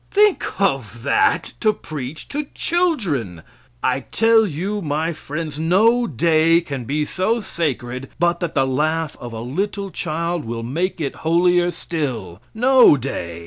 Think of that to preach to children! I tell you, my friends, no day can be so sacred but that the laugh of a little child will make it holier still no day!